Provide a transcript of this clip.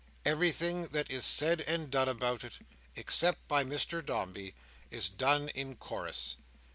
Everything that is said and done about it, except by Mr Dombey, is done in chorus.